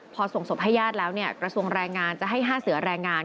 พอส่งศพให้ญาติแล้วกระทรวงแรงงานจะให้๕เสือแรงงาน